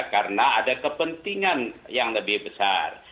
karena ada kepentingan yang lebih besar